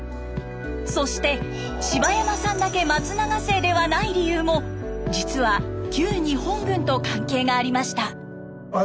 そして柴山さんだけ松永姓ではない理由も実は旧日本軍と関係がありました。